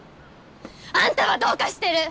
あんたはどうかしてる！